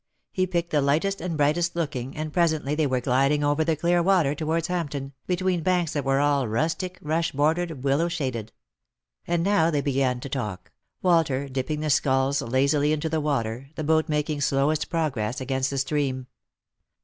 He picked the lightest and brightest looking, and presently they were gliding over the clear water towards Hampton, between banks that were all rustic, rush bordered, willow shaded. And now they began to talk ; Walter dipping the sculls lazily into the water, the boat making slowest progress against the stream.